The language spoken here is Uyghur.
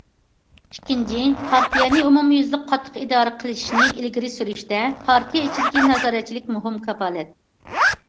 ئىككىنچى، پارتىيەنى ئومۇميۈزلۈك قاتتىق ئىدارە قىلىشنى ئىلگىرى سۈرۈشتە پارتىيە ئىچىدىكى نازارەتچىلىك مۇھىم كاپالەت.